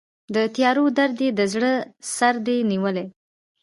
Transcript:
د تیارو درد یې د زړه سردې نیولی